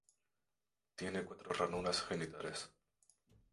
Tiene cuatro ranuras genitales.